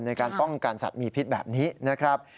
ในการป้องกันสัตว์มีพิษแบบนี้นะครับ